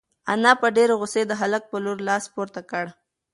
انا په ډېرې غوسې د هلک په لور لاس پورته کړ.